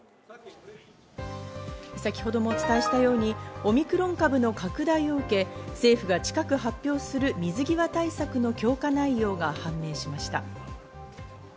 先程もお伝えしたように、オミクロン株の拡大を受け、政府が近く発表する水際対策の強化内容が判明しました。